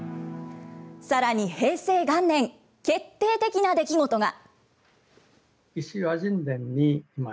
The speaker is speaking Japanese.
さらに平成元年、決定的な出来事が。